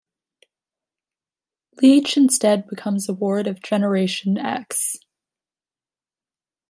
Leech instead becomes a ward of Generation X.